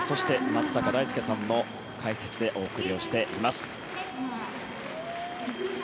松坂大輔さんの解説でお送りをしています。